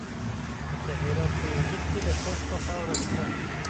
د هرات په انجیل کې د خښتو خاوره شته.